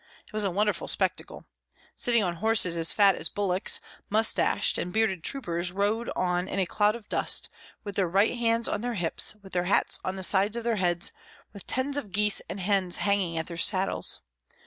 It was a wonderful spectacle. Sitting on horses as fat as bullocks, mustached and bearded troopers rode on in a cloud of dust, with their right hands on their hips, with their hats on the sides of their heads, with tens of geese and hens hanging at their saddles.